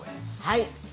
はい。